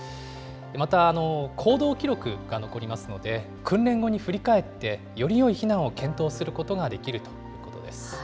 また、行動記録が残りますので、訓練後に振り返って、よりよい避難を検討することができるということです。